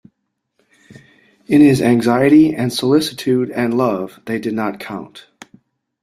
In his anxiety and solicitude and love they did not count.